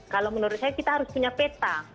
kalau menurut saya kita harus punya peta